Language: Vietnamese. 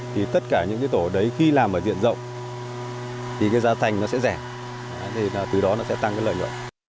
thì tất cả những cái tổ đấy khi làm ở diện rộng thì cái giá thành nó sẽ rẻ thì từ đó nó sẽ tăng cái lợi nhuận